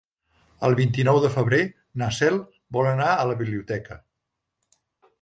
El vint-i-nou de febrer na Cel vol anar a la biblioteca.